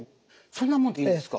そんなもんでいいんですか？